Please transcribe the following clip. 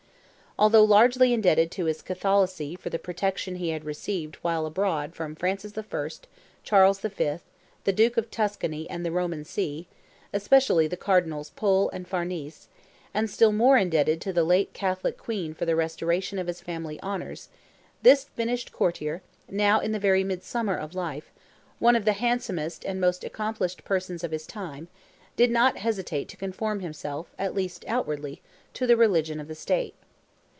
Although largely indebted to his Catholicity for the protection he had received while abroad from Francis I., Charles V., the Duke of Tuscany and the Roman See—especially the Cardinals Pole and Farnese—and still more indebted to the late Catholic Queen for the restoration of his family honours, this finished courtier, now in the very midsummer of life, one of the handsomest and most accomplished persons of his time, did not hesitate to conform himself, at least outwardly, to the religion of the State.